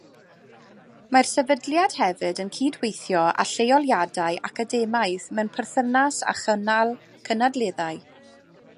Mae'r sefydliad hefyd yn cydweithio â lleoliadau academaidd mewn perthynas â chynnal cynadleddau.